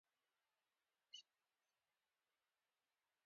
او د مشاهدې قوي وړتیا ولري.